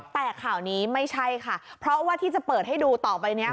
แต่ข่าวนี้ไม่ใช่ค่ะเพราะว่าที่จะเปิดให้ดูต่อไปนี้